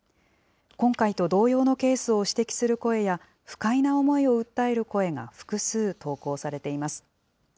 今回と同様のケースを指摘する声や、不快な思いを訴える声が複数投稿されています。